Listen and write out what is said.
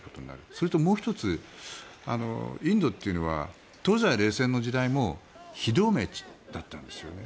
それと、もう１つインドというのは東西冷戦の時代も非同盟だったんですよね。